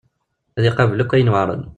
Ad iqabel akk ayen yuɛren.